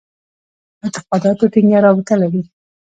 اعتقاداتو ټینګه رابطه لري.